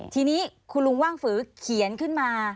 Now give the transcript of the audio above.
ทีนี้คุณลุงว่างฝือเขียนขึ้นมา